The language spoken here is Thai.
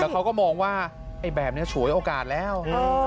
เขาก็มองว่าไอ้แบบนี้ฉวยโอกาสแล้ว